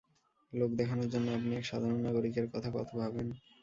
লোক দেখানোর জন্য আপনি এক সাধারণ নাগরিকের কথা কত ভাবেন!